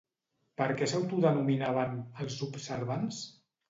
Per què s'autodenominaven “els observants”?